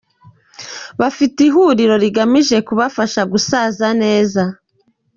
Bafite ihuriro rigamije kubafasha gusaza neza.